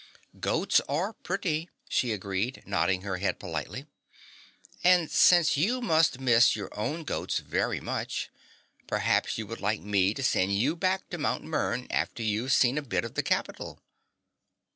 "Goats are pretty," she agreed, nodding her head politely. "And since you must miss your own goats very much, perhaps you would like me to send you back to Mt. Mern after you've seen a bit of the capital?"